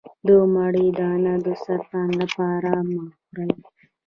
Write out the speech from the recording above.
د مڼې دانه د سرطان لپاره مه خورئ